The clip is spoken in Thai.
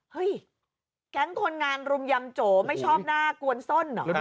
แก๊งคนงานรุมยำโจไม่ชอบหน้ากวนส้นเหรอ